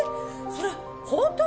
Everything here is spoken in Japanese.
それ本当？